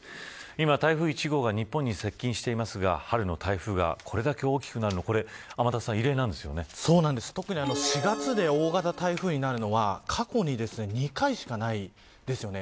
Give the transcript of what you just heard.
今、台風１号が日本に接近していますが春の台風がこれほど大きくなるのは４月で大型台風になるのは過去に２回しかないんですよね。